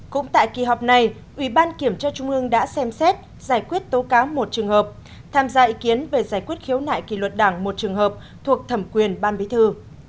bốn cũng tại kỳ họp này ubktq đã xem xét giải quyết tố cáo một trường hợp tham gia ý kiến về giải quyết khiếu nại kỷ luật đảng một trường hợp thuộc thẩm quyền ban bí thư